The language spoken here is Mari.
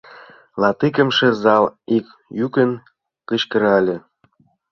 — Латикымше! — зал ик йӱкын кычкырале.